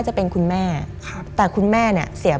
มันกลายเป็นรูปของคนที่กำลังขโมยคิ้วแล้วก็ร้องไห้อยู่